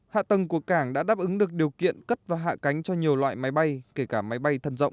hạ tầng của cảng đã đáp ứng được điều kiện cất và hạ cánh cho nhiều loại máy bay kể cả máy bay thân rộng